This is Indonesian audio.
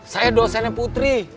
saya dosennya putri dosen ipb